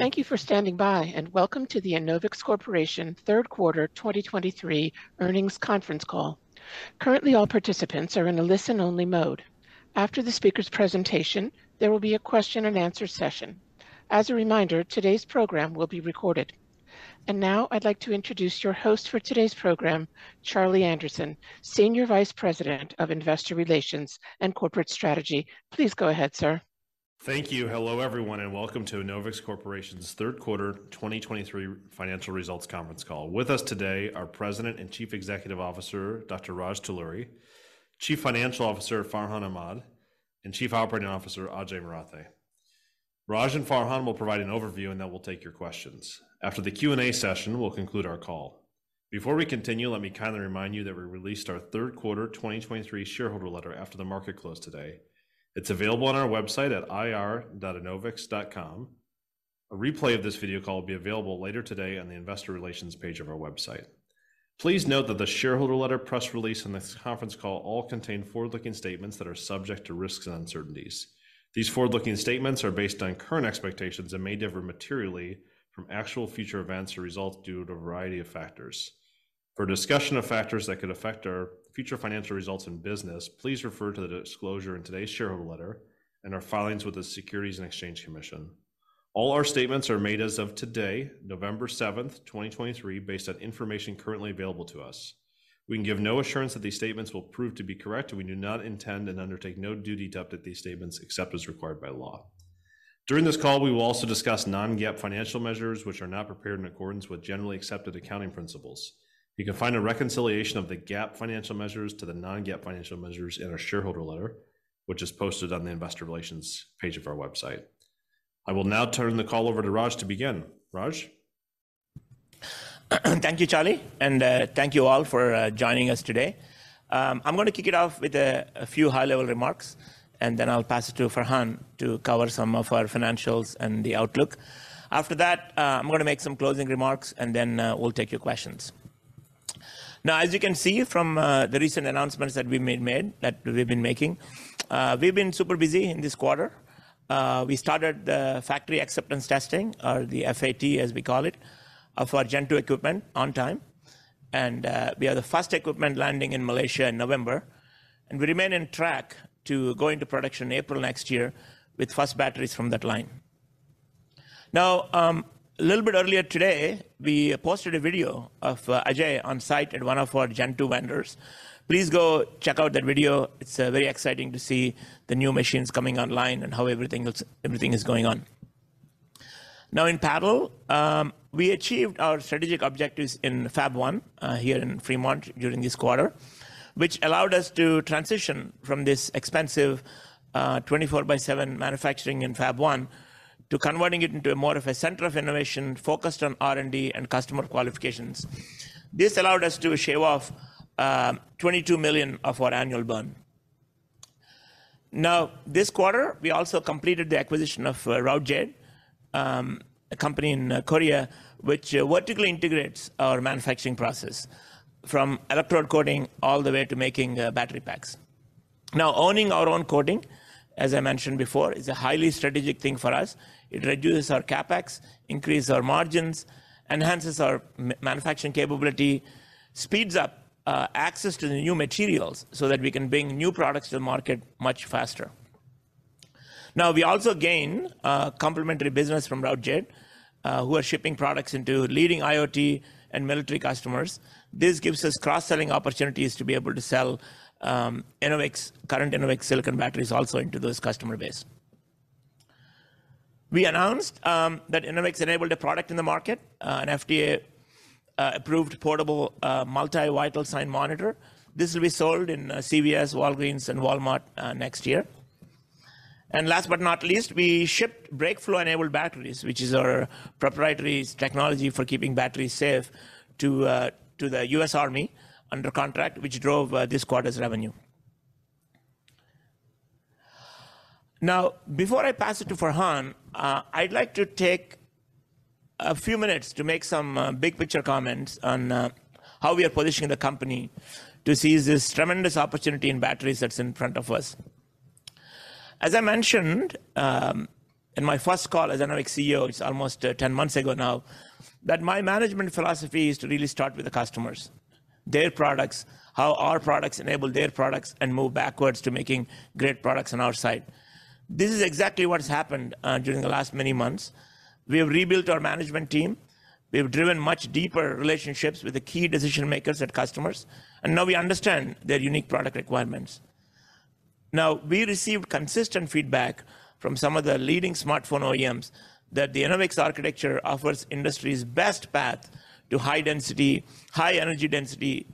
Thank you for standing by, and welcome to the Enovix Corporation third quarter 2023 earnings conference call. Currently, all participants are in a listen-only mode. After the speaker's presentation, there will be a question-and-answer session. As a reminder, today's program will be recorded. Now I'd like to introduce your host for today's program, Charlie Anderson, Senior Vice President of Investor Relations and Corporate Strategy. Please go ahead, sir. Thank you. Hello, everyone, and welcome to Enovix Corporation's third quarter 2023 financial results conference call. With us today are President and Chief Executive Officer, Dr. Raj Talluri, Chief Financial Officer, Farhan Ahmad, and Chief Operating Officer, Ajay Marathe. Raj and Farhan will provide an overview, and then we'll take your questions. After the Q&A session, we'll conclude our call. Before we continue, let me kindly remind you that we released our third quarter 2023 shareholder letter after the market closed today. It's available on our website at ir.enovix.com. A replay of this video call will be available later today on the Investor Relations page of our website. Please note that the shareholder letter, press release, and this conference call all contain forward-looking statements that are subject to risks and uncertainties. These forward-looking statements are based on current expectations and may differ materially from actual future events or results due to a variety of factors. For a discussion of factors that could affect our future financial results and business, please refer to the disclosure in today's shareholder letter and our filings with the Securities and Exchange Commission. All our statements are made as of today, November 7, 2023, based on information currently available to us. We can give no assurance that these statements will prove to be correct, and we do not intend and undertake no duty to update these statements except as required by law. During this call, we will also discuss non-GAAP financial measures, which are not prepared in accordance with generally accepted accounting principles. You can find a reconciliation of the GAAP financial measures to the non-GAAP financial measures in our shareholder letter, which is posted on the Investor Relations page of our website. I will now turn the call over to Raj to begin. Raj? Thank you, Charlie, and thank you all for joining us today. I'm gonna kick it off with a few high-level remarks, and then I'll pass it to Farhan to cover some of our financials and the outlook. After that, I'm gonna make some closing remarks, and then we'll take your questions. Now, as you can see from the recent announcements that we've been making, we've been super busy in this quarter. We started the factory acceptance testing, or the FAT, as we call it, of our Gen2 equipment on time, and we have the first equipment landing in Malaysia in November, and we remain on track to go into production in April next year with first batteries from that line. Now, a little bit earlier today, we posted a video of Ajay on site at one of our Gen2 vendors. Please go check out that video. It's very exciting to see the new machines coming online and how everything is, everything is going on. Now, in parallel, we achieved our strategic objectives in Fab-1 here in Fremont during this quarter, which allowed us to transition from this expensive 24/7 manufacturing in Fab-1 to converting it into more of a center of innovation focused on R&D and customer qualifications. This allowed us to shave off $22 million of our annual burn. Now, this quarter, we also completed the acquisition of Routejade, a company in Korea, which vertically integrates our manufacturing process from electrode coating all the way to making battery packs. Now, owning our own coating, as I mentioned before, is a highly strategic thing for us. It reduces our CapEx, increase our margins, enhances our manufacturing capability, speeds up access to the new materials so that we can bring new products to the market much faster. Now, we also gain complementary business from Routejade who are shipping products into leading IoT and military customers. This gives us cross-selling opportunities to be able to sell Enovix current Enovix silicon batteries also into those customer base. We announced that Enovix enabled a product in the market an FDA approved portable multi-vital sign monitor. This will be sold in CVS, Walgreens, and Walmart next year. And last but not least, we shipped BrakeFlow-enabled batteries, which is our proprietary technology for keeping batteries safe, to, to the U.S. Army under contract, which drove, this quarter's revenue. Now, before I pass it to Farhan, I'd like to take a few minutes to make some, big-picture comments on, how we are positioning the company to seize this tremendous opportunity in batteries that's in front of us. As I mentioned, in my first call as Enovix CEO, it's almost 10 months ago now, that my management philosophy is to really start with the customers, their products, how our products enable their products, and move backwards to making great products on our side. This is exactly what has happened, during the last many months. We have rebuilt our management team, we have driven much deeper relationships with the key decision-makers and customers, and now we understand their unique product requirements. Now, we received consistent feedback from some of the leading smartphone OEMs that the Enovix architecture offers industry's best path to high density, high energy density,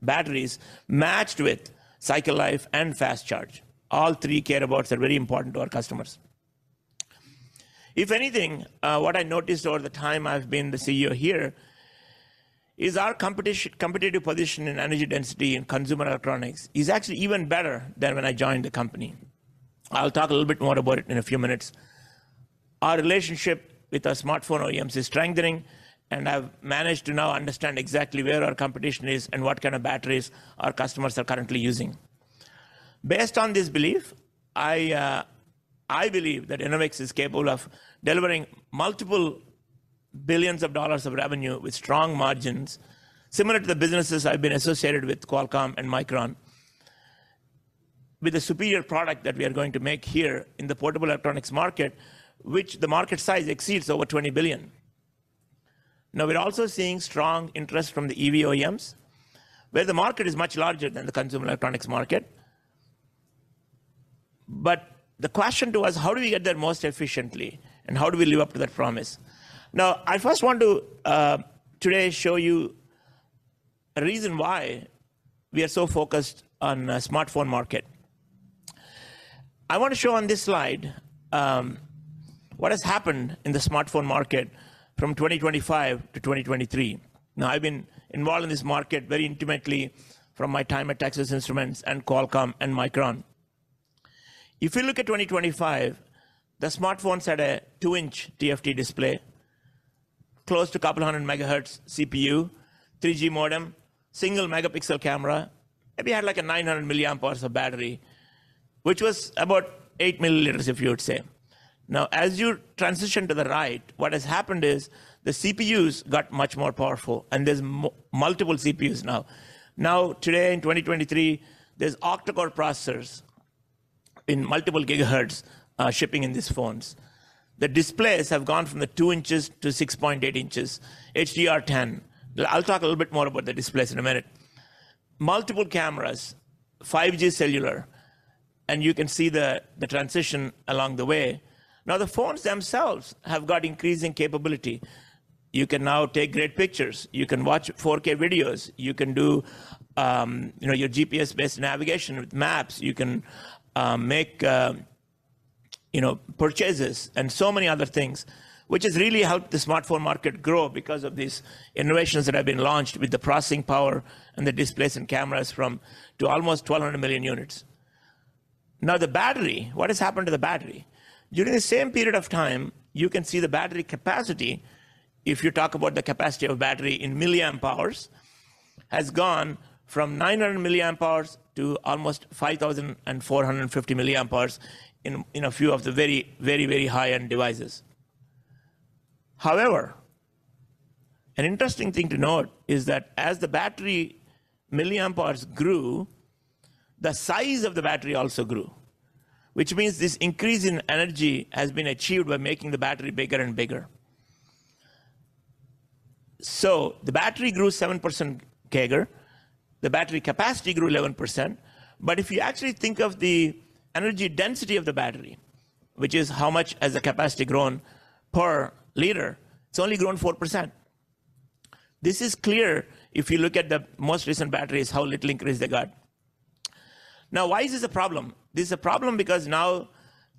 batteries, matched with cycle life and fast charge. All three careabouts are very important to our customers. If anything, what I noticed over the time I've been the CEO here, is our competitive position in energy density and consumer electronics is actually even better than when I joined the company. I'll talk a little bit more about it in a few minutes. Our relationship with our smartphone OEMs is strengthening, and I've managed to now understand exactly where our competition is and what kind of batteries our customers are currently using. Based on this belief, I believe that Enovix is capable of delivering multiple billions of dollars of revenue with strong margins, similar to the businesses I've been associated with, Qualcomm and Micron. With a superior product that we are going to make here in the portable electronics market, which the market size exceeds over $20 billion. Now, we're also seeing strong interest from the EV OEMs, where the market is much larger than the consumer electronics market. But the question to us: how do we get there most efficiently, and how do we live up to that promise? Now, I first want to today show you a reason why we are so focused on the smartphone market. I want to show on this slide, what has happened in the smartphone market from 2025 to 2023. Now, I've been involved in this market very intimately from my time at Texas Instruments and Qualcomm and Micron. If you look at 2025, the smartphones had a 2-inch TFT display, close to a couple of hundred megahertz CPU, 3G modem, 1-megapixel camera, maybe had like a 900 milliamp hours of battery, which was about 8 mL, if you would say. Now, as you transition to the right, what has happened is the CPUs got much more powerful, and there's multiple CPUs now. Now, today in 2023, there's octacore processors in multiple gigahertz, shipping in these phones. The displays have gone from the 2-6.8 inches, HDR10. I'll talk a little bit more about the displays in a minute. Multiple cameras, 5G cellular, and you can see the transition along the way. Now, the phones themselves have got increasing capability. You can now take great pictures, you can watch 4K videos, you can do, you know, your GPS-based navigation with maps, you can make, you know, purchases and so many other things, which has really helped the smartphone market grow because of these innovations that have been launched with the processing power and the displays and cameras from to almost 1,200 million units. Now, the battery, what has happened to the battery? During the same period of time, you can see the battery capacity, if you talk about the capacity of battery in milliamp hours, has gone from 900 milliamp hours to almost 5,450 milliamp hours in a few of the very, very, very high-end devices. However, an interesting thing to note is that as the battery milliamp hours grew, the size of the battery also grew, which means this increase in energy has been achieved by making the battery bigger and bigger. So the battery grew 7% CAGR, the battery capacity grew 11%. But if you actually think of the energy density of the battery, which is how much has the capacity grown per liter, it's only grown 4%. This is clear if you look at the most recent batteries, how little increase they got. Now, why is this a problem? This is a problem because now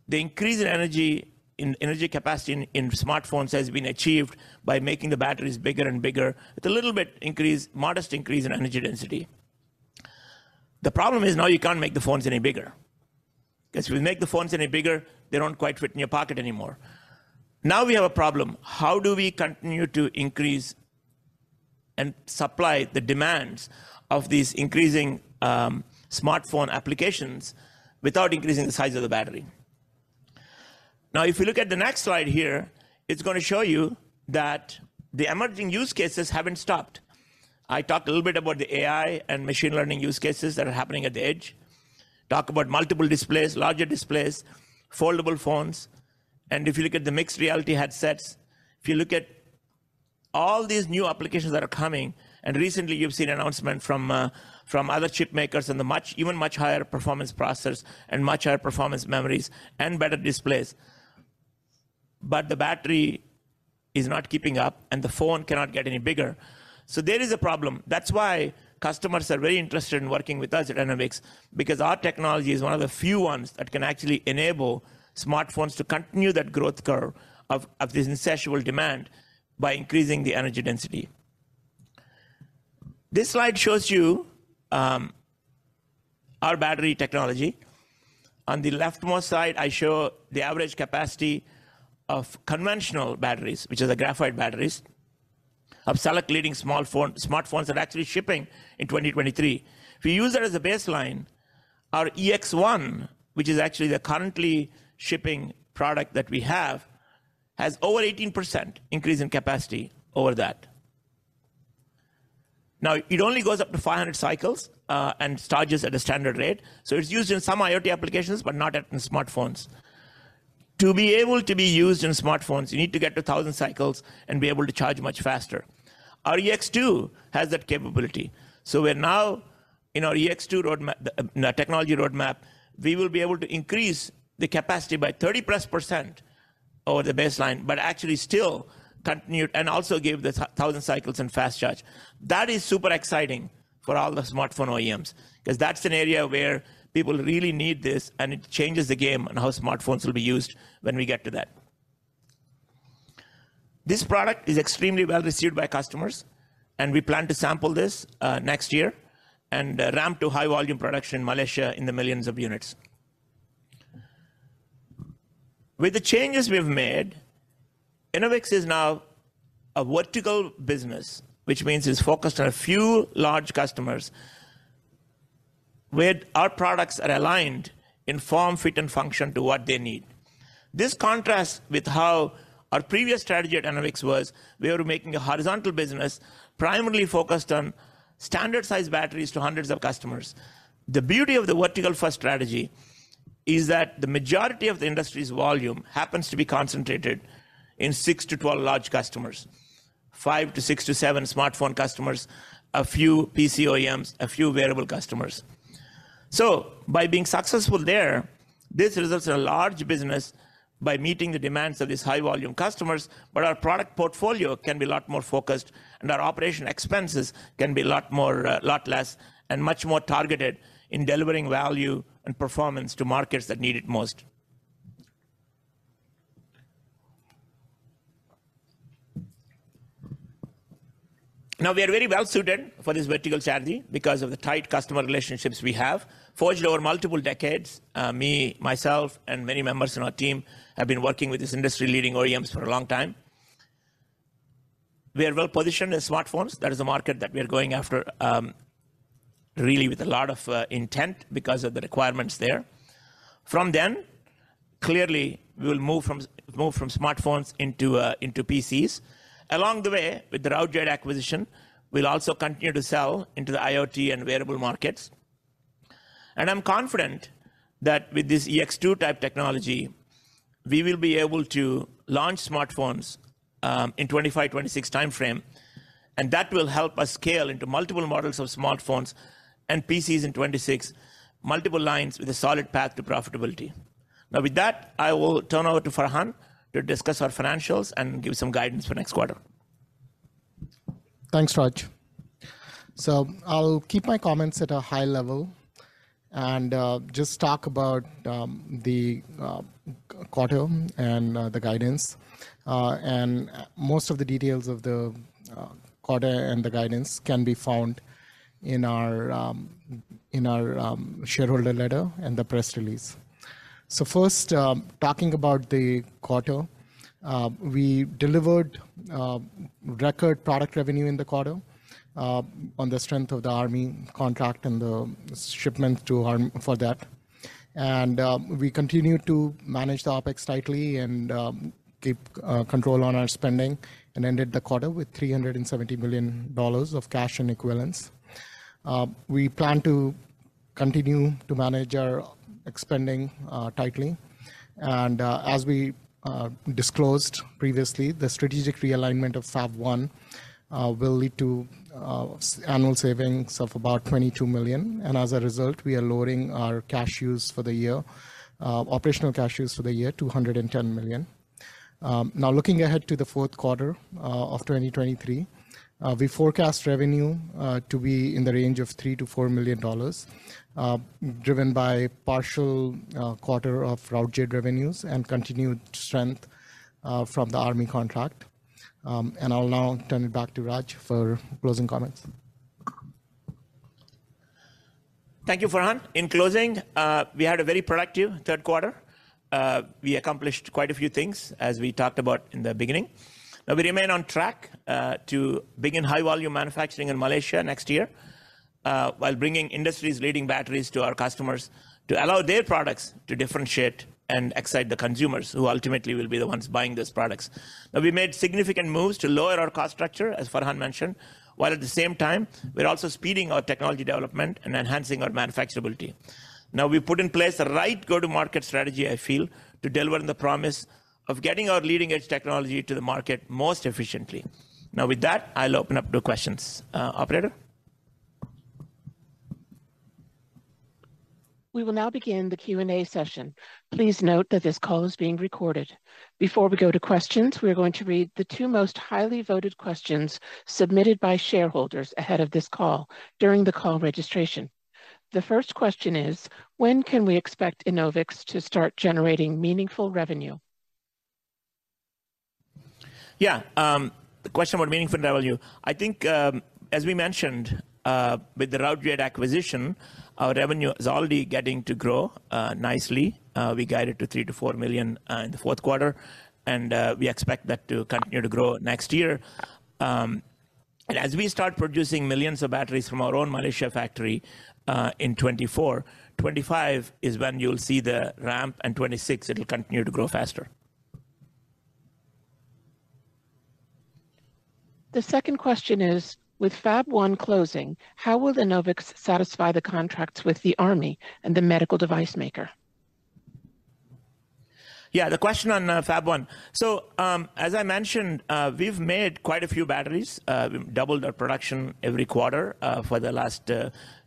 the increase in energy, in energy capacity in smartphones has been achieved by making the batteries bigger and bigger, with a little bit increase, modest increase in energy density. The problem is now you can't make the phones any bigger, 'cause if we make the phones any bigger, they don't quite fit in your pocket anymore. Now we have a problem: How do we continue to increase and supply the demands of these increasing smartphone applications without increasing the size of the battery? Now, if you look at the next slide here, it's gonna show you that the emerging use cases haven't stopped. I talked a little bit about the AI and machine learning use cases that are happening at the edge. Talked about multiple displays, larger displays, foldable phones, and if you look at the mixed reality headsets, if you look at all these new applications that are coming, and recently you've seen announcement from other chip makers and even much higher performance processors and much higher performance memories and better displays. But the battery is not keeping up, and the phone cannot get any bigger. So there is a problem. That's why customers are very interested in working with us at Enovix, because our technology is one of the few ones that can actually enable smartphones to continue that growth curve of this insatiable demand by increasing the energy density. This slide shows you our battery technology. On the leftmost side, I show the average capacity of conventional batteries, which are the graphite batteries, of select leading smartphones that are actually shipping in 2023. If we use that as a baseline, our EX-1, which is actually the currently shipping product that we have, has over 18% increase in capacity over that. Now, it only goes up to 500 cycles, and charges at a standard rate, so it's used in some IoT applications but not in smartphones. To be able to be used in smartphones, you need to get to 1,000 cycles and be able to charge much faster. Our EX-2 has that capability. So we're now, in our EX-2 technology roadmap, we will be able to increase the capacity by +30% over the baseline, but actually still continue and also give the 1,000 cycles and fast charge. That is super exciting for all the smartphone OEMs, 'cause that's an area where people really need this, and it changes the game on how smartphones will be used when we get to that. This product is extremely well-received by customers, and we plan to sample this next year and ramp to high volume production in Malaysia in the millions of units. With the changes we've made, Enovix is now a vertical business, which means it's focused on a few large customers, where our products are aligned in form, fit, and function to what they need. This contrasts with how our previous strategy at Enovix was. We were making a horizontal business primarily focused on standard-sized batteries to hundreds of customers. The beauty of the vertical first strategy is that the majority of the industry's volume happens to be concentrated in 6-12 large customers, 5-6-7 smartphone customers, a few PC OEMs, a few wearable customers. So by being successful there, this results in a large business by meeting the demands of these high-volume customers, but our product portfolio can be a lot more focused, and our operating expenses can be a lot more, a lot less and much more targeted in delivering value and performance to markets that need it most. Now, we are very well suited for this vertical strategy because of the tight customer relationships we have forged over multiple decades. Me, myself, and many members on our team have been working with these industry-leading OEMs for a long time. We are well positioned in smartphones. That is a market that we are going after, really with a lot of intent because of the requirements there. From then, clearly, we will move from smartphones into PCs. Along the way, with the Routejade acquisition, we'll also continue to sell into the IoT and wearable markets. I'm confident that with this EX-2 type technology, we will be able to launch smartphones in 2025-2026 timeframe, and that will help us scale into multiple models of smartphones and PCs in 2026, multiple lines with a solid path to profitability. Now, with that, I will turn over to Farhan to discuss our financials and give some guidance for next quarter. Thanks, Raj. So I'll keep my comments at a high level and just talk about the quarter and the guidance. And most of the details of the quarter and the guidance can be found in our shareholder letter and the press release. So first, talking about the quarter, we delivered record product revenue in the quarter on the strength of the Army contract and the shipment to Army for that. And we continued to manage the OpEx tightly and keep control on our spending and ended the quarter with $370 million of cash and equivalents. We plan to continue to manage our spending tightly, and as we disclosed previously, the strategic realignment of Fab-1 will lead to annual savings of about $22 million, and as a result, we are lowering our cash use for the year, operational cash use for the year, $210 million. Now, looking ahead to the fourth quarter of 2023, we forecast revenue to be in the range of $3-$4 million, driven by partial quarter of Routejade revenues and continued strength from the Army contract. And I'll now turn it back to Raj for closing comments. Thank you, Farhan. In closing, we had a very productive third quarter. We accomplished quite a few things, as we talked about in the beginning. Now, we remain on track to begin high-volume manufacturing in Malaysia next year, while bringing industry's leading batteries to our customers to allow their products to differentiate and excite the consumers, who ultimately will be the ones buying these products. Now, we made significant moves to lower our cost structure, as Farhan mentioned, while at the same time, we're also speeding our technology development and enhancing our manufacturability. Now, we've put in place the right go-to-market strategy, I feel, to deliver on the promise of getting our leading-edge technology to the market most efficiently. Now, with that, I'll open up to questions. Operator? We will now begin the Q&A session. Please note that this call is being recorded. Before we go to questions, we are going to read the two most highly voted questions submitted by shareholders ahead of this call during the call registration. The first question is: When can we expect Enovix to start generating meaningful revenue? Yeah, the question about meaningful revenue. I think, as we mentioned, with the Routejade acquisition, our revenue is already getting to grow, nicely. We guided to $3-$4 million in the fourth quarter, and we expect that to continue to grow next year. And as we start producing millions of batteries from our own Malaysia factory, in 2024, 2025 is when you'll see the ramp, and 2026, it'll continue to grow faster. The second question is: With Fab-1 closing, how will Enovix satisfy the contracts with the Army and the medical device maker? Yeah, the question on Fab-1. So, as I mentioned, we've made quite a few batteries. We've doubled our production every quarter for the last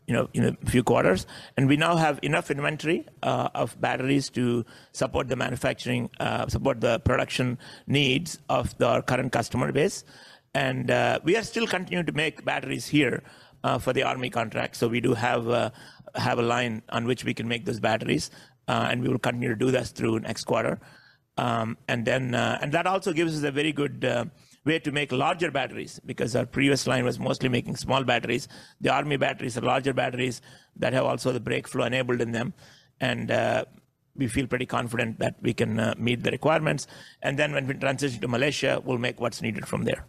you know few quarters, and we now have enough inventory of batteries to support the production needs of our current customer base. And we are still continuing to make batteries here for the Army contract. So we do have a line on which we can make those batteries, and we will continue to do that through next quarter. And that also gives us a very good way to make larger batteries because our previous line was mostly making small batteries. The Army batteries are larger batteries that have also the BrakeFlow-enabled in them, and we feel pretty confident that we can meet the requirements. Then when we transition to Malaysia, we'll make what's needed from there.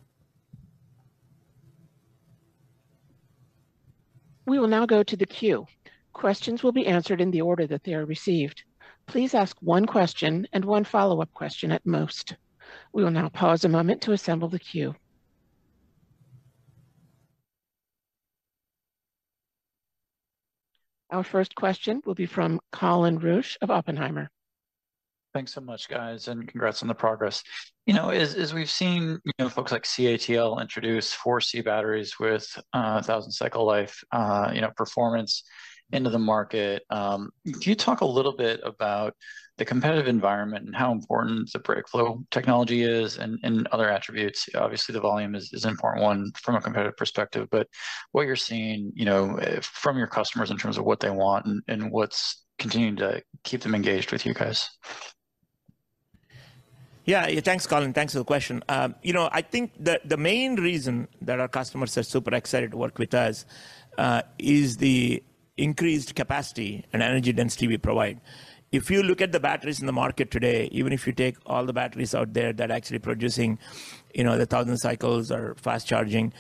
We will now go to the queue. Questions will be answered in the order that they are received. Please ask one question and one follow-up question at most. We will now pause a moment to assemble the queue. Our first question will be from Colin Rusch of Oppenheimer. Thanks so much, guys, and congrats on the progress. You know, as we've seen, you know, folks like CATL introduce 4C batteries with a 1,000 cycle life, you know, performance into the market. Can you talk a little bit about the competitive environment and how important the BrakeFlow technology is and other attributes? Obviously, the volume is an important one from a competitive perspective, but what you're seeing, you know, from your customers in terms of what they want and what's continuing to keep them engaged with you guys. Yeah. Thanks, Colin. Thanks for the question. You know, I think the main reason that our customers are super excited to work with us is the increased capacity and energy density we provide. If you look at the batteries in the market today, even if you take all the batteries out there that are actually producing, you know, the 1,000 cycles or fast charging,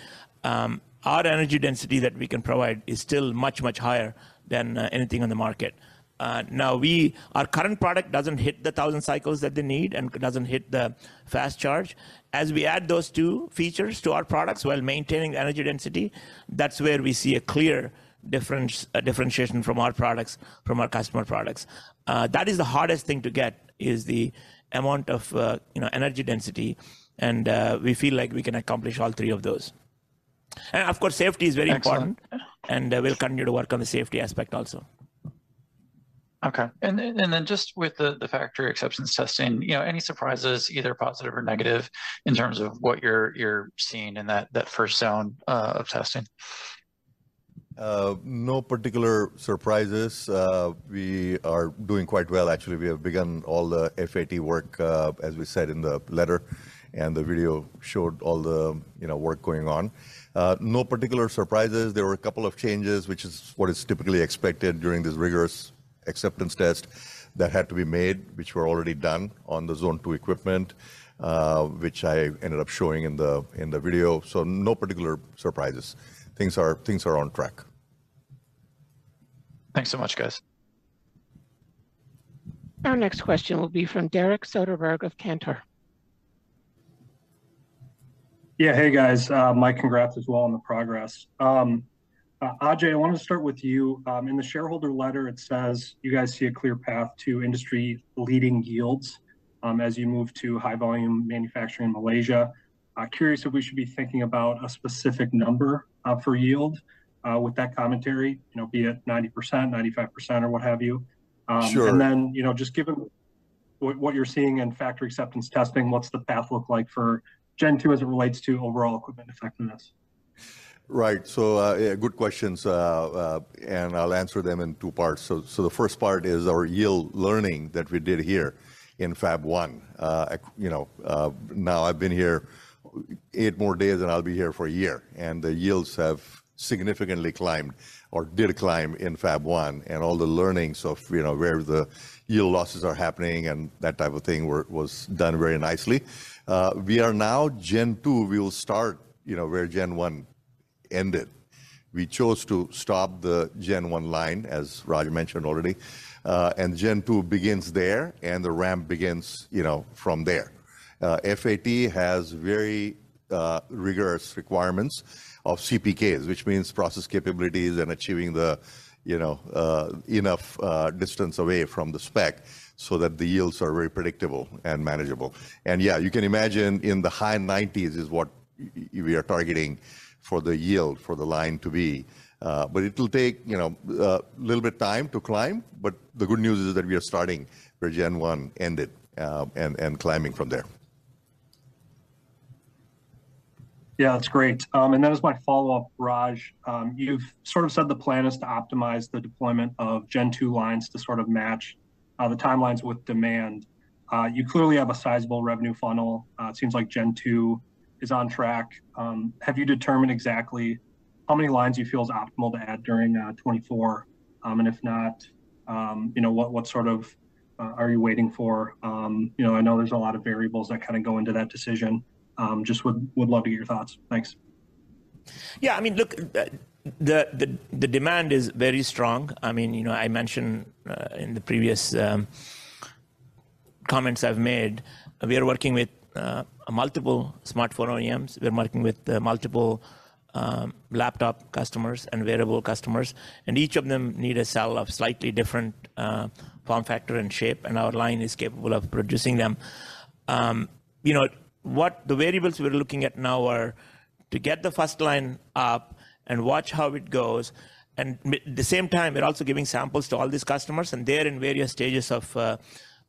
our energy density that we can provide is still much, much higher than anything on the market. Now, our current product doesn't hit the 1,000 cycles that they need and doesn't hit the fast charge. As we add those two features to our products while maintaining energy density, that's where we see a clear difference, differentiation from our products, from our customer products. That is the hardest thing to get, is the amount of, you know, energy density, and we feel like we can accomplish all three of those. And, of course, safety is very important. Excellent. We'll continue to work on the safety aspect also. Okay. And then just with the factory acceptance testing, you know, any surprises, either positive or negative, in terms of what you're seeing in that first round of testing? No particular surprises. We are doing quite well, actually. We have begun all the FAT work, as we said in the letter, and the video showed all the, you know, work going on. No particular surprises. There were a couple of changes, which is what is typically expected during this rigorous acceptance test, that had to be made, which were already done on the Zone 2 equipment, which I ended up showing in the video. So no particular surprises. Things are on track. Thanks so much, guys. Our next question will be from Derek Soderberg of Cantor. Yeah. Hey, guys. My congrats as well on the progress. Ajay, I want to start with you. In the shareholder letter, it says you guys see a clear path to industry-leading yields, as you move to high volume manufacturing in Malaysia. Curious if we should be thinking about a specific number, for yield, with that commentary, you know, be it 90%, 95%, or what have you? Sure. Then, you know, just given what you're seeing in factory acceptance testing, what's the path look like for Gen2 as it relates to overall equipment effectiveness? Right. So, yeah, good questions. And I'll answer them in two parts. So the first part is our yield learning that we did here Fab-1. you know, now I've been here eight more days, and I'll be here for a year, and the yields have significantly climbed or did climb Fab-1. and all the learnings of, you know, where the yield losses are happening and that type of thing was done very nicely. We are now Gen2. We will start, you know, where Gen1 ended. We chose to stop the Gen1 line, as Raj mentioned already, and Gen2 begins there, and the ramp begins, you know, from there. FAT has very rigorous requirements of CPKs, which means process capabilities and achieving the, you know, enough distance away from the spec so that the yields are very predictable and manageable. Yeah, you can imagine in the high 90s is what we are targeting for the yield for the line to be. But it'll take, you know, a little bit time to climb, but the good news is that we are starting where Gen1 ended, and climbing from there. Yeah, that's great. And then as my follow-up, Raj, you've sort of said the plan is to optimize the deployment of Gen 2 lines to sort of match the timelines with demand. You clearly have a sizable revenue funnel. It seems like Gen 2 is on track. Have you determined exactly how many lines you feel is optimal to add during 2024? And if not, you know, what, what sort of are you waiting for? You know, I know there's a lot of variables that kind of go into that decision. Just would, would love to hear your thoughts. Thanks. Yeah, I mean, look, the demand is very strong. I mean, you know, I mentioned in the previous comments I've made, we are working with multiple smartphone OEMs. We're working with multiple laptop customers and wearable customers, and each of them need a cell of slightly different form factor and shape, and our line is capable of producing them. You know, what the variables we're looking at now are to get the first line up and watch how it goes, and at the same time, we're also giving samples to all these customers, and they're in various stages of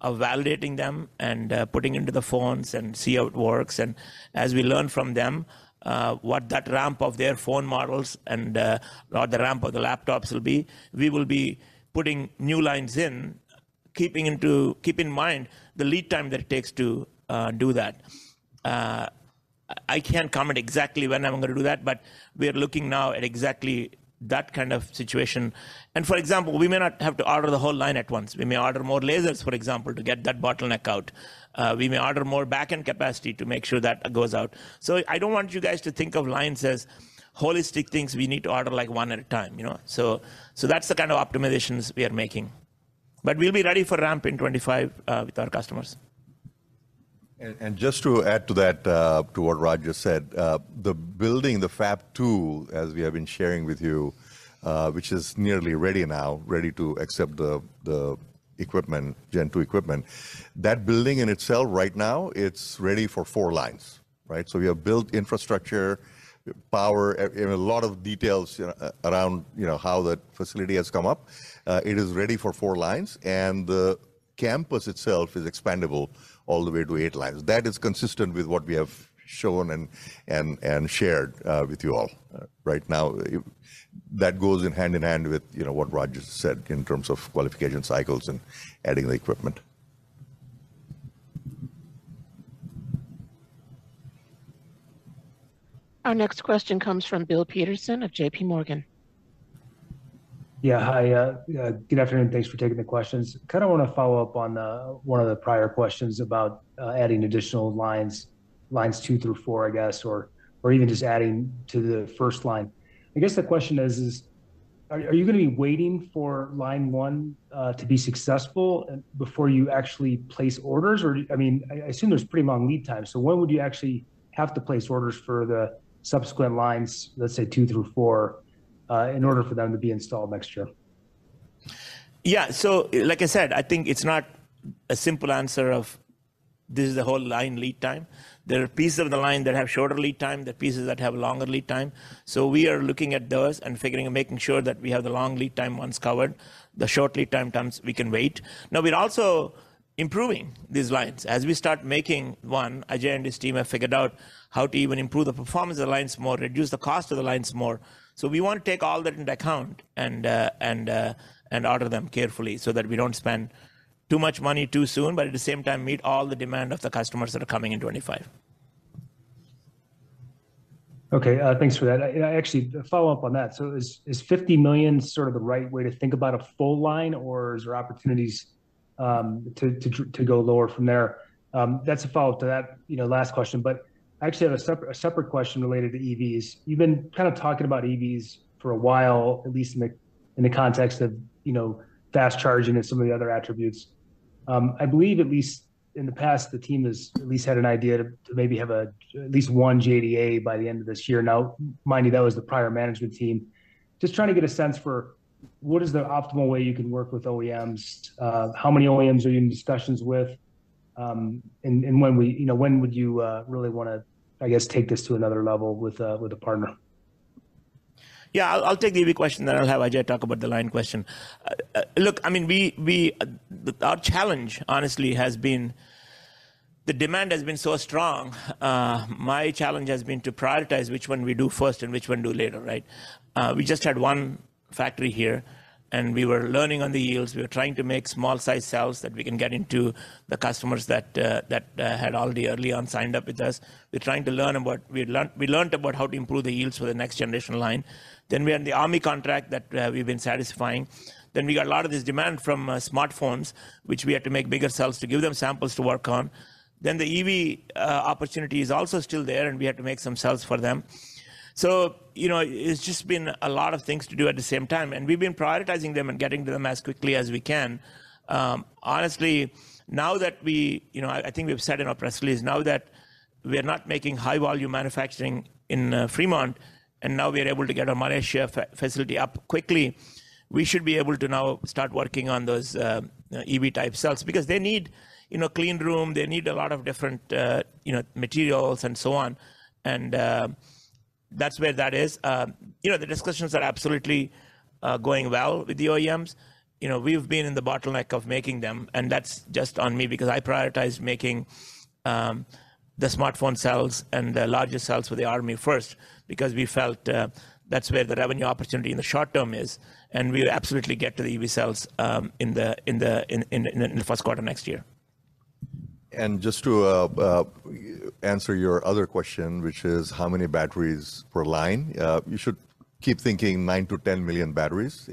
validating them and putting into the phones and see how it works. As we learn from them, what that ramp of their phone models and or the ramp of the laptops will be, we will be putting new lines in, keeping in mind the lead time that it takes to do that. I can't comment exactly when I'm gonna do that, but we are looking now at exactly that kind of situation. For example, we may not have to order the whole line at once. We may order more lasers, for example, to get that bottleneck out. We may order more backend capacity to make sure that goes out. I don't want you guys to think of lines as holistic things we need to order, like, one at a time, you know? That's the kind of optimizations we are making. But we'll be ready for ramp in 2025 with our customers. Just to add to that, to what Raj just said, the building, the Fab-2, as we have been sharing with you, which is nearly ready now, ready to accept the equipment, Gen2 equipment, that building in itself right now, it's ready for four lines, right? So we have built infrastructure, power, and a lot of details, you know, around, you know, how the facility has come up. It is ready for four lines, and the campus itself is expandable all the way to eight lines. That is consistent with what we have shown and shared with you all. Right now, that goes hand-in-hand with what Raj just said in terms of qualification cycles and adding the equipment. Our next question comes from Bill Peterson of JPMorgan. Yeah, hi, good afternoon. Thanks for taking the questions. Kind of wanna follow up on one of the prior questions about adding additional lines, lines two through four, I guess, or even just adding to the first line. I guess the question is, are you gonna be waiting for line 1 to be successful before you actually place orders? Or do, I mean, I assume there's pretty long lead time, so when would you actually have to place orders for the subsequent lines, let's say two through four, in order for them to be installed next year? Yeah, so, like I said, I think it's not a simple answer of this is the whole line lead time. There are pieces of the line that have shorter lead time, there are pieces that have longer lead time. So we are looking at those and figuring and making sure that we have the long lead time ones covered. The short lead time ones, we can wait. Now, we're also improving these lines. As we start making one, Ajay and his team have figured out how to even improve the performance of the lines more, reduce the cost of the lines more. So we want to take all that into account and order them carefully so that we don't spend too much money too soon, but at the same time, meet all the demand of the customers that are coming in 2025. Okay, thanks for that. I actually. To follow up on that, so is $50 million sort of the right way to think about a full line, or is there opportunities to go lower from there? That's a follow-up to that, you know, last question, but I actually have a separate question related to EVs. You've been kind of talking about EVs for a while, at least in the context of, you know, fast charging and some of the other attributes. I believe at least in the past, the team has at least had an idea to maybe have at least one JDA by the end of this year. Now, mind you, that was the prior management team. Just trying to get a sense for what is the optimal way you can work with OEMs, how many OEMs are you in discussions with, and you know, when would you really wanna, I guess, take this to another level with a partner? Yeah, I'll take the EV question, then I'll have Ajay talk about the line question. Look, I mean, our challenge, honestly, has been, the demand has been so strong, my challenge has been to prioritize which one we do first and which one do later, right? We just had one factory here, and we were learning on the yields. We were trying to make small-sized cells that we can get into the customers that had already early on signed up with us. We're trying to learn about, we had learned, we learned about how to improve the yields for the next generation line. Then we had the Army contract that we've been satisfying. Then we got a lot of this demand from smartphones, which we had to make bigger cells to give them samples to work on. Then the EV opportunity is also still there, and we had to make some cells for them. So, you know, it's just been a lot of things to do at the same time, and we've been prioritizing them and getting to them as quickly as we can. Honestly, now that we... You know, I, I think we've said in our press release, now that we are not making high-volume manufacturing in Fremont, and now we are able to get our Malaysia facility up quickly, we should be able to now start working on those EV-type cells. Because they need, you know, clean room, they need a lot of different, you know, materials and so on. That's where that is. You know, the discussions are absolutely going well with the OEMs. You know, we've been in the bottleneck of making them, and that's just on me because I prioritize making the smartphone cells and the larger cells for the Army first, because we felt that's where the revenue opportunity in the short term is, and we'll absolutely get to the EV cells in the first quarter next year. Just to answer your other question, which is how many batteries per line, you should keep thinking 9-10 million batteries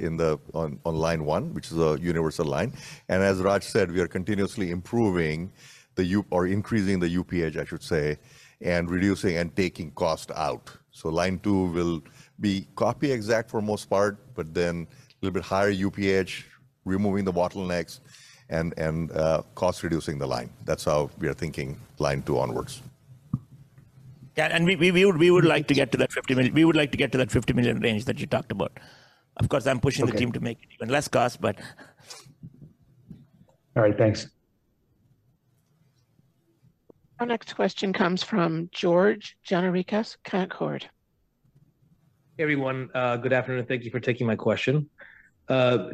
on line one, which is a universal line. As Raj said, we are continuously improving the U- or increasing the UPH, I should say, and reducing and taking cost out. So line two will be copy exact for the most part, but then a little bit higher UPH, removing the bottlenecks, and cost reducing the line. That's how we are thinking line two onwards. Yeah, and we would like to get to that $50 million - we would like to get to that $50 million range that you talked about. Of course, I'm pushing the team to make it even less cost, but All right, thanks. Our next question comes from George Gianarikas, Canaccord Genuity. Hey, everyone, good afternoon. Thank you for taking my question.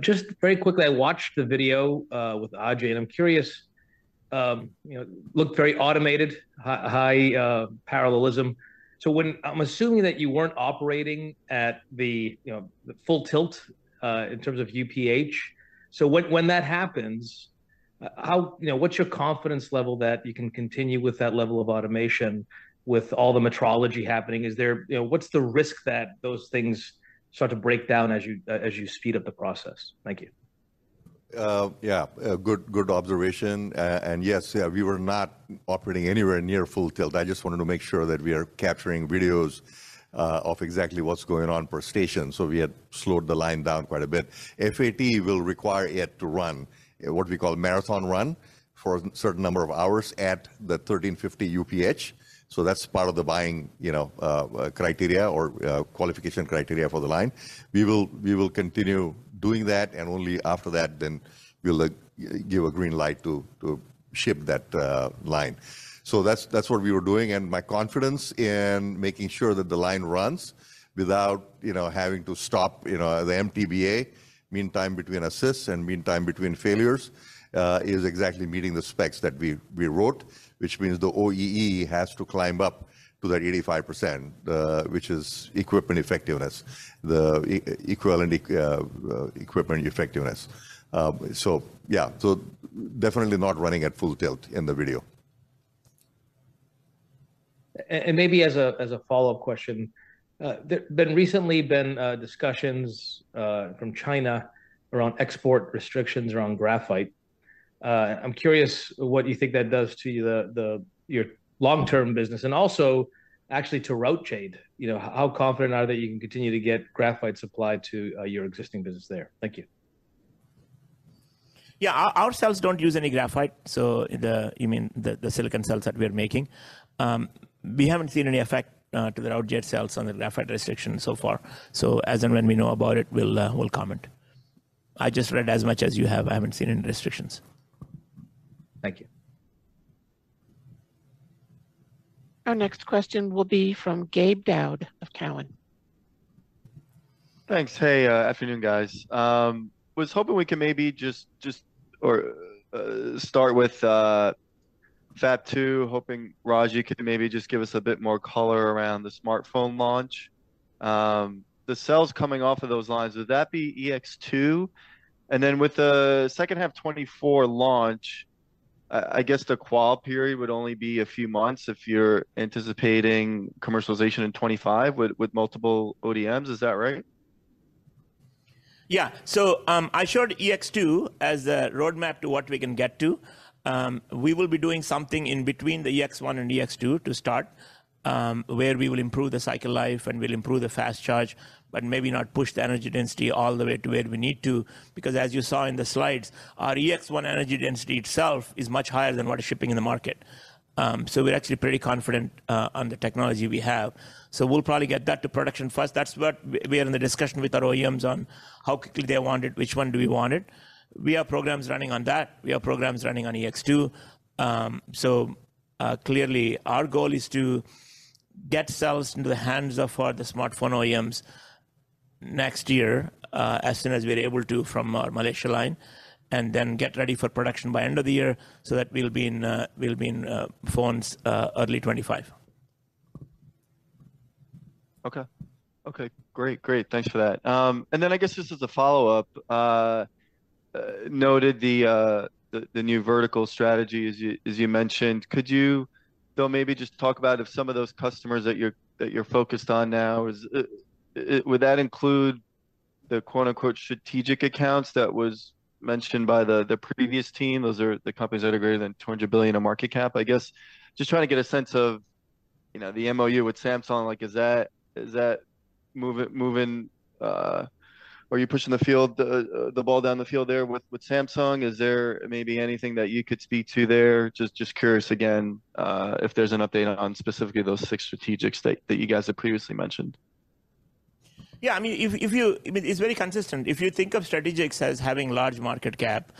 Just very quickly, I watched the video with Ajay, and I'm curious, you know, it looked very automated, high parallelism. So I'm assuming that you weren't operating at the, you know, the full tilt in terms of UPH. So when that happens. How, you know, what's your confidence level that you can continue with that level of automation with all the metrology happening? Is there you know, what's the risk that those things start to break down as you speed up the process? Thank you. Yeah, a good, good observation. And yes, yeah, we were not operating anywhere near full tilt. I just wanted to make sure that we are capturing videos of exactly what's going on per station, so we had slowed the line down quite a bit. FAT will require it to run what we call marathon run, for a certain number of hours at the 1,350 UPH. So that's part of the buying, you know, criteria or qualification criteria for the line. We will continue doing that, and only after that, then we'll give a green light to ship that line. So that's what we were doing. My confidence in making sure that the line runs without, you know, having to stop, you know, the MTBA, Mean Time Between Assists and Mean Time Between Failures, is exactly meeting the specs that we wrote, which means the OEE has to climb up to that 85%, which is equipment effectiveness, the equipment effectiveness. So yeah, so definitely not running at full tilt in the video. And maybe as a follow-up question, there been recently been discussions from China around export restrictions around graphite. I'm curious what you think that does to the your long-term business and also actually to Routejade. You know, how confident are that you can continue to get graphite supplied to your existing business there? Thank you. Yeah, our cells don't use any graphite, so. You mean the silicon cells that we are making? We haven't seen any effect to the Routejade cells on the graphite restriction so far. So as and when we know about it, we'll comment. I just read as much as you have. I haven't seen any restrictions. Thank you. Our next question will be from Gabe Daoud of Cowen. Thanks. Hey, afternoon, guys. Was hoping we could maybe just start with Fab-2, hoping, Raj, you could maybe just give us a bit more color around the smartphone launch. The cells coming off of those lines, would that be EX-2? And then with the second half 2024 launch, I guess the qual period would only be a few months if you're anticipating commercialization in 2025 with multiple ODMs. Is that right? Yeah. So, I showed EX-2 as a roadmap to what we can get to. We will be doing something in between the EX-1 and EX-2 to start, where we will improve the cycle life and we'll improve the fast charge, but maybe not push the energy density all the way to where we need to. Because as you saw in the slides, our EX-1 energy density itself is much higher than what is shipping in the market. So we're actually pretty confident on the technology we have. So we'll probably get that to production first. That's what we are in the discussion with our OEMs on, how quickly they want it, which one do we want it? We have programs running on that. We have programs running on EX-2. So, clearly, our goal is to get cells into the hands of the smartphone OEMs next year, as soon as we're able to from our Malaysia line, and then get ready for production by end of the year, so that we'll be in phones early 2025. Okay. Okay, great. Great, thanks for that. And then I guess just as a follow-up, noted the new vertical strategy as you mentioned, could you though maybe just talk about if some of those customers that you're focused on now, is would that include the quote, unquote, "strategic accounts" that was mentioned by the previous team? Those are the companies that are greater than $200 billion in market cap. I guess just trying to get a sense of, you know, the MOU with Samsung, like, is that moving. Are you pushing the field, the ball down the field there with Samsung? Is there maybe anything that you could speak to there? Just curious again, if there's an update on specifically those six strategics that you guys had previously mentioned? Yeah, I mean, it's very consistent. If you think of strategics as having large market cap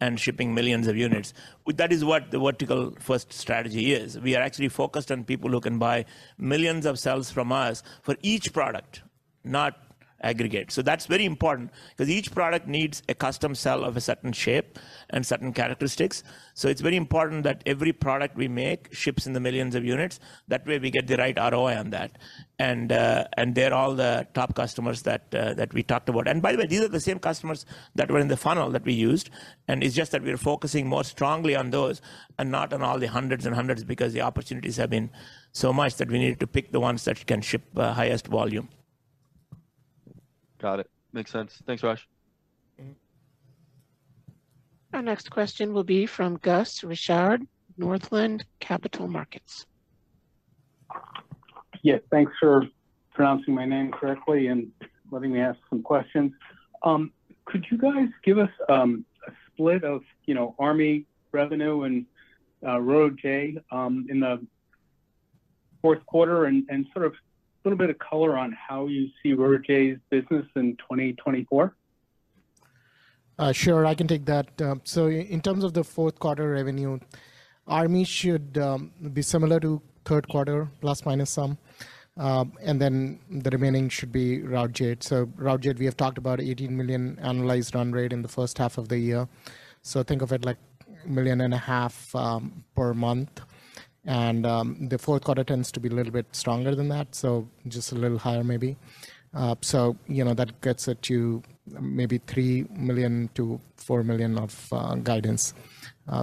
and shipping millions of units, that is what the vertical first strategy is. We are actually focused on people who can buy millions of cells from us for each product, not aggregate. So that's very important, because each product needs a custom cell of a certain shape and certain characteristics. So it's very important that every product we make ships in the millions of units. That way, we get the right ROI on that. And they're all the top customers that we talked about. And by the way, these are the same customers that were in the funnel that we used, and it's just that we're focusing more strongly on those and not on all the hundreds and hundreds, because the opportunities have been so much that we needed to pick the ones that can ship the highest volume. Got it. Makes sense. Thanks, Raj. Our next question will be from Gus Richard, Northland Capital Markets. Yeah, thanks for pronouncing my name correctly and letting me ask some questions. Could you guys give us a split of, you know, Army revenue and Routejade in the fourth quarter and, and sort of a little bit of color on how you see Routejade's business in 2024? Sure, I can take that. So in terms of the fourth quarter revenue, Army should be similar to third quarter, plus, minus some, and then the remaining should be Routejade. So Routejade, we have talked about $18 million annualized run rate in the first half of the year, so think of it like $1.5 million per month. The fourth quarter tends to be a little bit stronger than that, so just a little higher maybe. So, you know, that gets it to maybe $3-$4 million of guidance.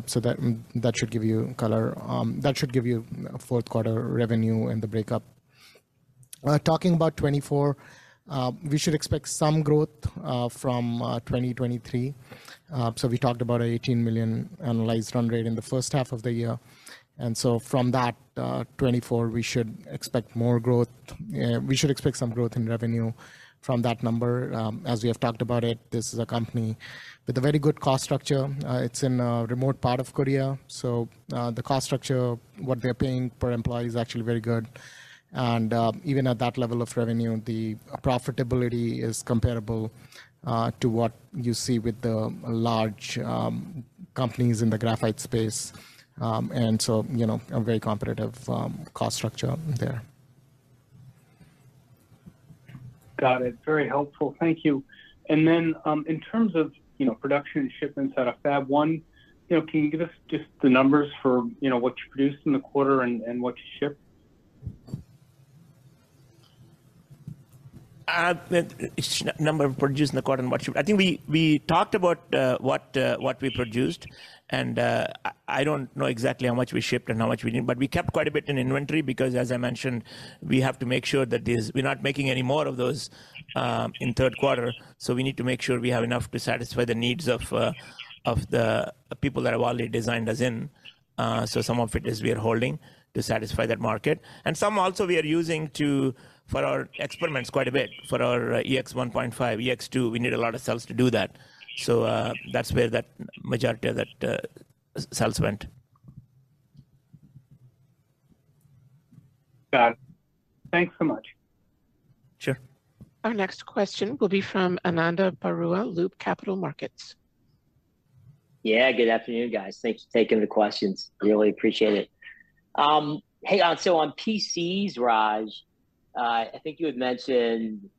So that should give you color, that should give you fourth quarter revenue and the breakdown. Talking about 2024, we should expect some growth from 2023. So we talked about $18 million annualized run rate in the first half of the year, and so from that, 2024, we should expect more growth. We should expect some growth in revenue from that number. As we have talked about it, this is a company with a very good cost structure. It's in a remote part of Korea, so, the cost structure, what we are paying per employee is actually very good. And, even at that level of revenue, the profitability is comparable, to what you see with the large, companies in the graphite space. And so, you know, a very competitive, cost structure there. Got it. Very helpful. Thank you. Then, in terms of, you know, production and shipments out of Fab-1, you know, can you give us just the numbers for, you know, what you produced in the quarter and, and what you shipped? The number of produced in the quarter and what you. I think we talked about what we produced, and I don't know exactly how much we shipped and how much we didn't, but we kept quite a bit in inventory because, as I mentioned, we have to make sure that we're not making any more of those in third quarter. So we need to make sure we have enough to satisfy the needs of the people that have already designed us in. So some of it is we are holding to satisfy that market, and some also we are using for our experiments quite a bit. For our EX-1.5, EX-2, we need a lot of cells to do that. So, that's where that majority of that cells went. Got it. Thanks so much. Sure. Our next question will be from Ananda Baruah, Loop Capital Markets. Yeah, good afternoon, guys. Thanks for taking the questions. Really appreciate it. Hey, so on PCs, Raj, I think you had mentioned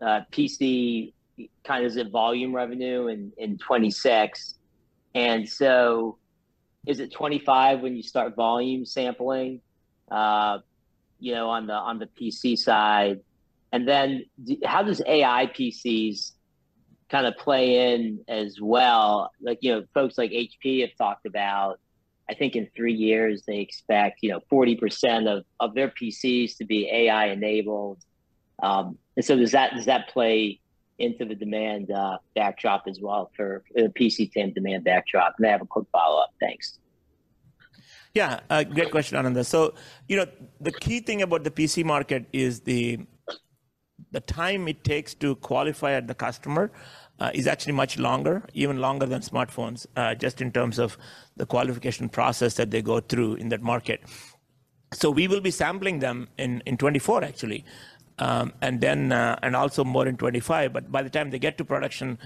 PC kind of as a volume revenue in 2026, and so is it 25 when you start volume sampling, you know, on the PC side? And then how does AI PCs kind of play in as well? Like, you know, folks like HP have talked about, I think in 3 years they expect, you know, 40% of their PCs to be AI-enabled. And so does that play into the demand backdrop as well for the PC TAM demand backdrop? And I have a quick follow-up. Thanks. Yeah, a great question, Ananda. So, you know, the key thing about the PC market is the time it takes to qualify the customer is actually much longer, even longer than smartphones, just in terms of the qualification process that they go through in that market. So we will be sampling them in 2024, actually, and then also more in 2025, but by the time they get to production,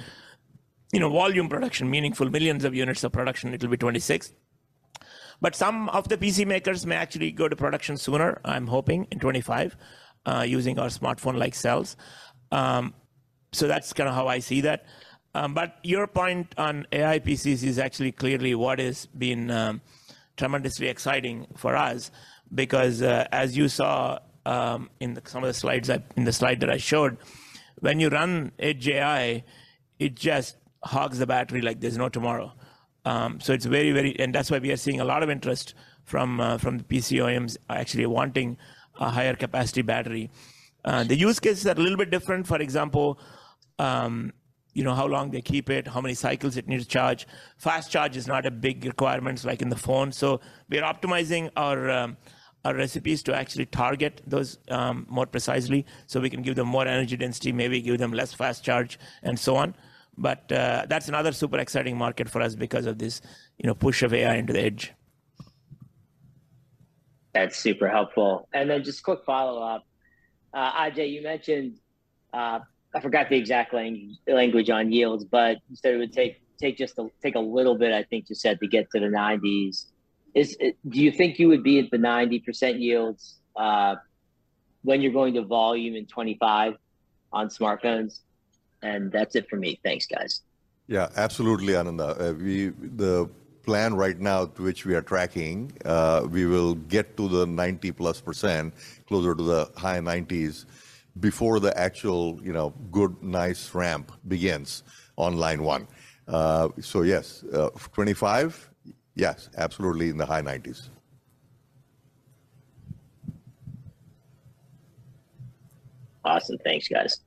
you know, volume production, meaningful millions of units of production, it'll be 2026. But some of the PC makers may actually go to production sooner, I'm hoping in 2025, using our smartphone-like cells. So that's kind of how I see that. But your point on AI PCs is actually clearly what has been tremendously exciting for us because, as you saw, in some of the slides, in the slide that I showed, when you run Edge AI, it just hogs the battery like there's no tomorrow. So it's very, very, and that's why we are seeing a lot of interest from the PC OEMs actually wanting a higher capacity battery. The use cases are a little bit different. For example, you know, how long they keep it, how many cycles it needs to charge. Fast charge is not a big requirement like in the phone, so we are optimizing our recipes to actually target those more precisely, so we can give them more energy density, maybe give them less fast charge, and so on. But that's another super exciting market for us because of this, you know, push of AI into the edge. That's super helpful. And then just quick follow-up. Ajay, you mentioned I forgot the exact language on yields, but you said it would take just a little bit, I think you said, to get to the nineties. Do you think you would be at the 90% yields when you're going to volume in 2025 on smartphones? And that's it for me. Thanks, guys. Yeah, absolutely, Ananda. The plan right now, to which we are tracking, we will get to the +90%, closer to the high 90s, before the actual, you know, good, nice ramp begins on line one. So yes, 25? Yes, absolutely in the high 90s. Awesome. Thanks, guys.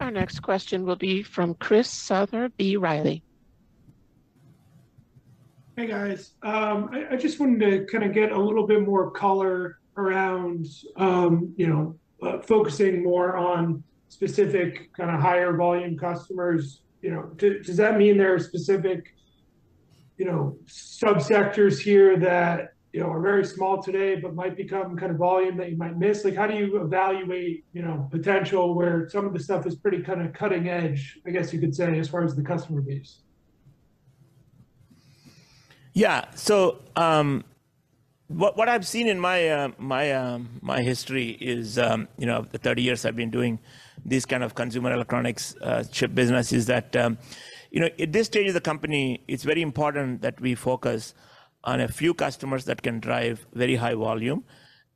Our next question will be from Chris Souther, B. Riley. Hey, guys. I just wanted to kind of get a little bit more color around, you know, focusing more on specific kind of higher volume customers, you know. Does that mean there are specific, you know, subsectors here that, you know, are very small today, but might become kind of volume that you might miss? Like, how do you evaluate, you know, potential where some of the stuff is pretty kind of cutting edge, I guess you could say, as far as the customer base? Yeah. So, what I've seen in my history is, you know, the 30 years I've been doing this kind of consumer electronics chip business, is that, you know, at this stage of the company, it's very important that we focus on a few customers that can drive very high volume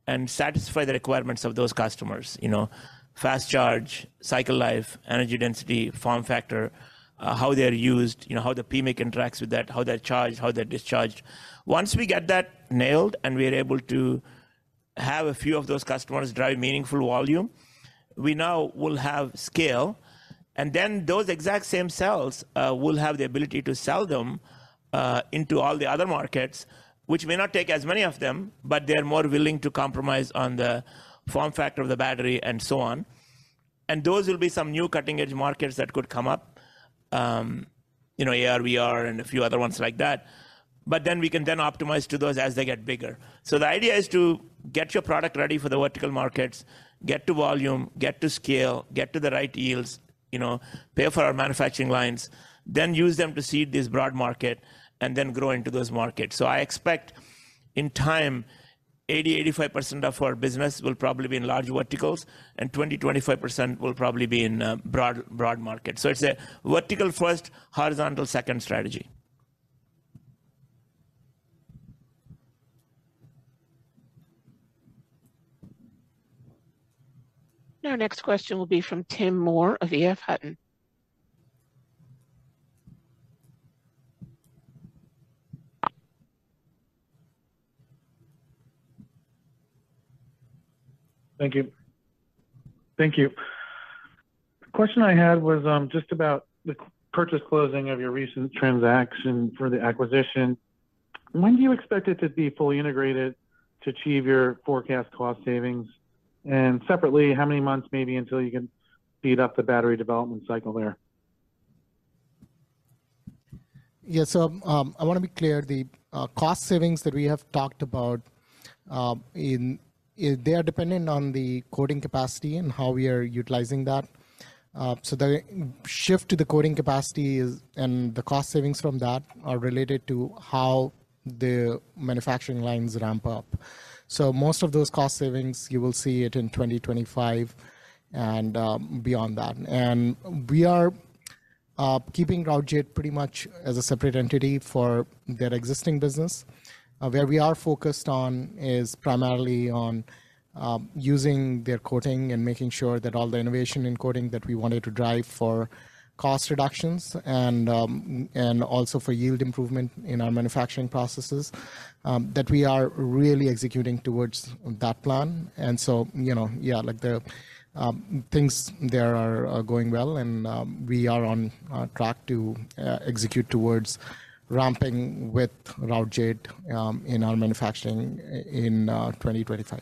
and satisfy the requirements of those customers. You know, fast charge, cycle life, energy density, form factor, how they're used, you know, how the PMIC interacts with that, how they're charged, how they're discharged. Once we get that nailed, and we are able to have a few of those customers drive meaningful volume, we now will have scale, and then those exact same cells, we'll have the ability to sell them into all the other markets, which may not take as many of them, but they are more willing to compromise on the form factor of the battery and so on. And those will be some new cutting-edge markets that could come up, you know, AR/VR and a few other ones like that. But then we can then optimize to those as they get bigger. So the idea is to get your product ready for the vertical markets, get to volume, get to scale, get to the right yields, you know, pay for our manufacturing lines, then use them to seed this broad market and then grow into those markets. So I expect in time, 80%-85% of our business will probably be in large verticals, and 20%-25% will probably be in broad, broad market. So it's a vertical first, horizontal second strategy. Our next question will be from Tim Moore of EF Hutton. Thank you. Thank you. The question I had was, just about the purchase closing of your recent transaction for the acquisition. When do you expect it to be fully integrated to achieve your forecast cost savings? And separately, how many months maybe until you can speed up the battery development cycle there? Yeah. So, I wanna be clear, the cost savings that we have talked about. They are dependent on the coating capacity and how we are utilizing that. So the shift to the coating capacity is, and the cost savings from that are related to how the manufacturing lines ramp up. So most of those cost savings, you will see it in 2025 and beyond that. And we are keeping Routejade pretty much as a separate entity for their existing business. Where we are focused on is primarily on using their coating and making sure that all the innovation in coating that we wanted to drive for cost reductions and also for yield improvement in our manufacturing processes, that we are really executing towards that plan. So, you know, yeah, like, the things there are going well, and we are on track to execute towards ramping with Routejade in our manufacturing in 2025.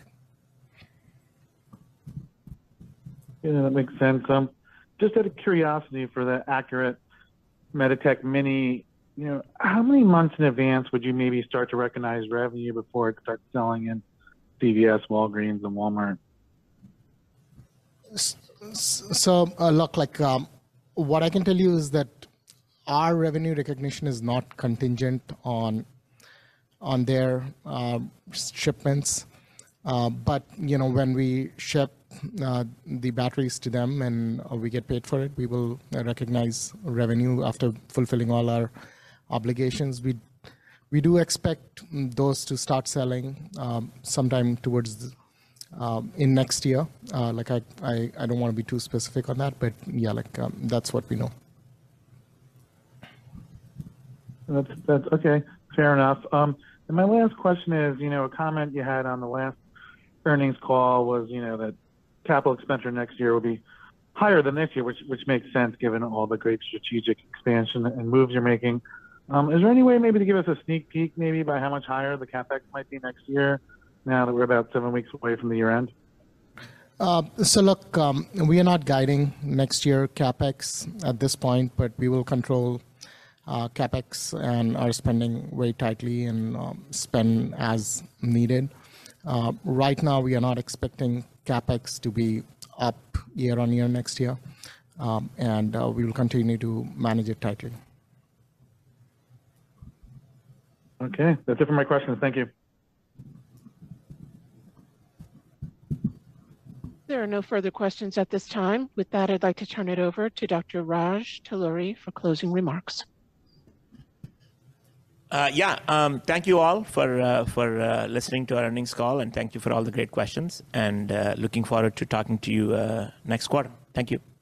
Yeah, that makes sense. Just out of curiosity, for the Accurate Meditech Mini, you know, how many months in advance would you maybe start to recognize revenue before it starts selling in CVS, Walgreens, and Walmart? So, look, like, what I can tell you is that our revenue recognition is not contingent on their shipments. But, you know, when we ship the batteries to them and we get paid for it, we will recognize revenue after fulfilling all our obligations. We do expect those to start selling sometime towards the in next year. Like, I don't wanna be too specific on that, but yeah, like, that's what we know. That's okay. Fair enough. My last question is, you know, a comment you had on the last earnings call was, you know, that capital expenditure next year will be higher than this year, which makes sense given all the great strategic expansion and moves you're making. Is there any way maybe to give us a sneak peek, maybe, by how much higher the CapEx might be next year now that we're about seven weeks away from the year end? So look, we are not guiding next year CapEx at this point, but we will control CapEx and our spending very tightly and spend as needed. Right now, we are not expecting CapEx to be up year on year next year, and we will continue to manage it tightly. Okay. That's it for my questions. Thank you. There are no further questions at this time. With that, I'd like to turn it over to Dr. Raj Talluri for closing remarks. Yeah, thank you all for listening to our earnings call, and thank you for all the great questions, and looking forward to talking to you next quarter. Thank you.